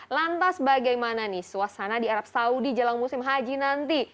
lantas bagaimana nih suasana di arab saudi jelang musim haji nanti